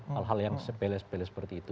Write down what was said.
hal hal yang sepele sepele seperti itu